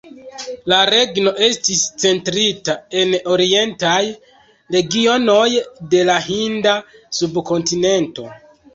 La regno estis centrita en orientaj regionoj de la Hinda Subkontinento.